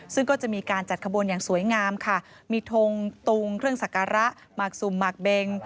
ซึ่งก็จะมีการจัดขบวนอย่างสวยงามค่ะมีทงตุงเครื่องสักการะหมากสุ่มหมากเบง